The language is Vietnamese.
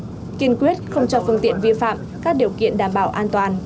các bến cảng kiên quyết không cho phương tiện vi phạm các điều kiện đảm bảo an toàn